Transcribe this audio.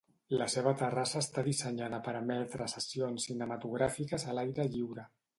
La seva terrassa està dissenyada per a emetre sessions cinematogràfiques a l'aire lliure.